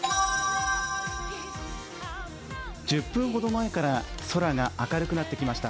１０分ほど前から空が明るくなってきました。